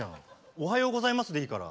おはようございますでいいから。